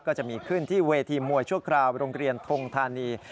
ก็จะมีขึ้นที่เวทีมวยชั่วคราวโรงเรียนทงธานี